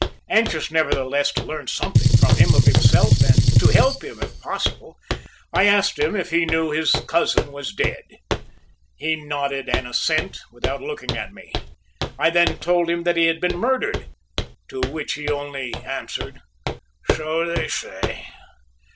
Anxious, nevertheless, to learn something from him of himself, and to help him if possible, I asked him if he knew his cousin was dead. He nodded an assent without looking at me. I then told him that he had been murdered, to which he only answered: "So they say."